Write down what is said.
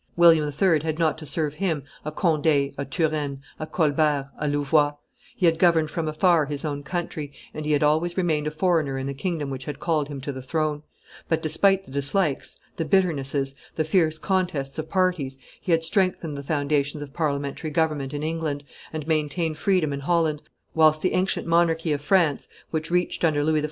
William III. had not to serve him a Conde, a Turenne, a Colbert, a Louvois; he had governed from afar his own country, and he had always remained a foreigner in the kingdom which had called him to the throne; but, despite the dislikes, the bitternesses, the fierce contests of parties, he had strengthened the foundations of parliamentary government in England, and maintained freedom in Holland, whilst the ancient monarchy of France, which reached under Louis XIV.